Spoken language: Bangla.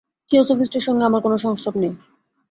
থিওসফিষ্টের সঙ্গে আমার কোন সংস্রব নেই।